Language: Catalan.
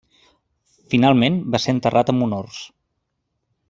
Finalment, va ser enterrat amb honors.